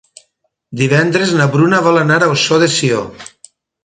Divendres na Bruna vol anar a Ossó de Sió.